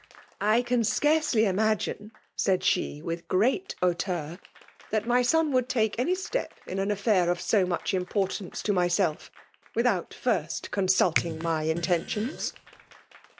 *' I can scarcely imagine, said Ae, with great hauteur, '' that my son would taike ai^ step in an affair of so much importaaoe to myseU; wi&out first consultiag my inten tions